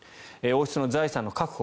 王室の財産の確保